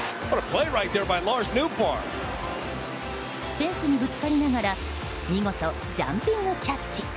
フェンスにぶつかりながら見事、ジャンピングキャッチ。